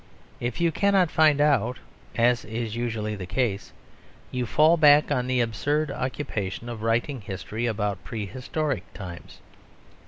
If you cannot find out (as is usually the case) you fall back on the absurd occupation of writing history about pre historic times.